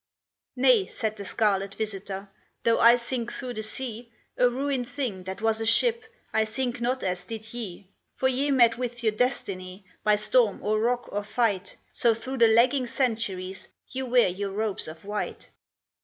"Nay," said the scarlet visitor, "Though I sink through the sea, A ruined thing that was a ship, I sink not as did ye. For ye met with your destiny By storm or rock or fight, So through the lagging centuries Ye wear your robes of white.